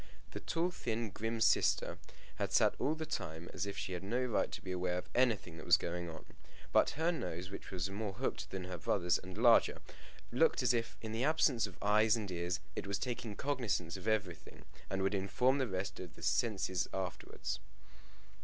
The tall thin grim sister had sat all the time as if she had no right to be aware of anything that was going on, but her nose, which was more hooked than her brother's, and larger, looked as if, in the absence of eyes and ears, it was taking cognizance of everything, and would inform the rest of the senses afterwards.